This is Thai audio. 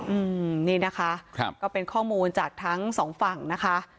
อืมนี่นะคะครับก็เป็นข้อมูลจากทั้งสองฝั่งนะคะ